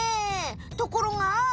ところが？